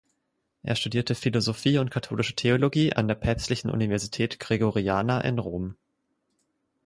Er studierte Philosophie und Katholische Theologie an der Päpstlichen Universität Gregoriana in Rom.